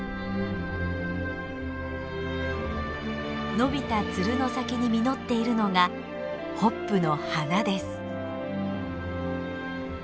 伸びたツルの先に実っているのがホップの花です。